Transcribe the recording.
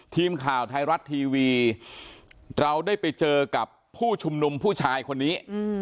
ทีมข่าวไทยรัฐทีวีเราได้ไปเจอกับผู้ชุมนุมผู้ชายคนนี้